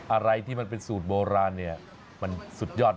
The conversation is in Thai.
อะไรที่มันเป็นสูตรโบราณเนี่ยมันสุดยอด